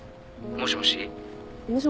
もしもし。